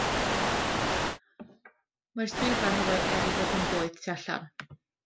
Mae'r swyddfa'n oer er 'i bod hi'n boeth tu allan.